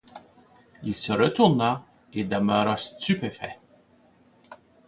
Il se retourna et demeura stupéfait.